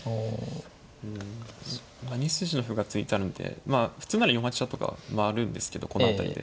そっか２筋の歩が突いてあるんでまあ普通なら４八飛車とか回るんですけどこの辺りで。